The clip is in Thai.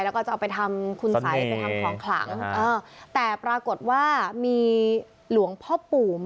แล้วก็จะเอาไปทำคุณสัยไปทำของขลังเออแต่ปรากฏว่ามีหลวงพ่อปู่